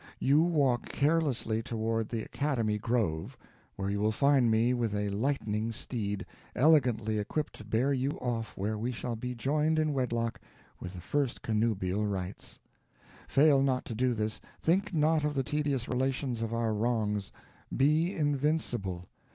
You walk carelessly toward the academy grove, where you will find me with a lightning steed, elegantly equipped to bear you off where we shall be joined in wedlock with the first connubial rights. Fail not to do this think not of the tedious relations of our wrongs be invincible.